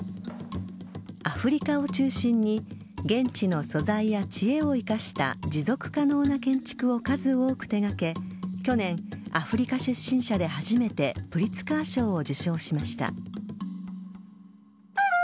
アフリカを中心に現地の素材や知恵を生かした持続可能な建築を数多く手がけ去年、アフリカ出身者で初めてプリツカー賞を受賞しました。